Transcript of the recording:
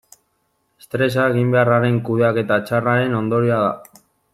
Estresa eginbeharraren kudeaketa txarraren ondorioa da.